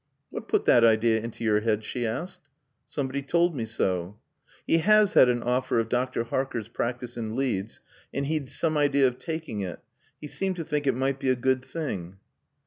"What put that idea into your head?" she asked. "Somebody told me so." "He has had an offer of Dr. Harker's practice in Leeds, and he'd some idea of taking it. He seemed to think it might be a good thing."